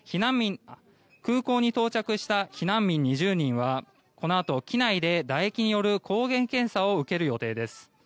空港に到着した避難民２０人はこのあと機内でだ液による抗原検査を受ける予定です。